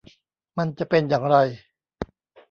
มันจะเป็นอย่างไร